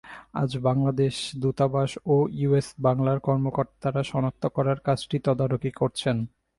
আজ বাংলাদেশ দূতাবাস ও ইউএস বাংলার কর্মকর্তারা শনাক্ত করার কাজটি তদারকি করছেন।